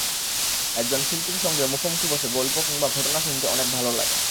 একজন শিল্পীর সঙ্গে মুখোমুখি বসে গল্প কিংবা ঘটনা শুনতে অনেক ভালো লাগে।